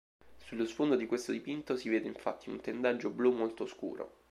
Sullo sfondo di questo dipinto si vede infatti un tendaggio blu molto scuro.